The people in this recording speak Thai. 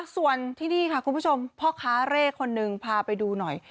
ส่วนที่นี่ค่ะคุณผู้ชมพ่อค้าเร่คนนึงพาไปดูหน่อย